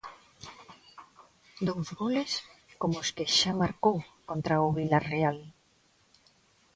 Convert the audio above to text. Dous goles como os que xa marcou contra o Vilarreal.